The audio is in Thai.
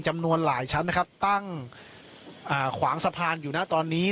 จำนวนหลายชั้นนะครับตั้งขวางสะพานอยู่นะตอนนี้